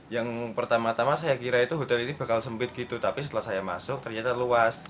yang pertama tama saya kira itu hotel ini bakal sempit gitu tapi setelah saya masuk ternyata luas